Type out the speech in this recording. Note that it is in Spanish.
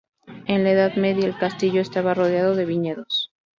En la Edad Media el castillo estaba rodeada de viñedos.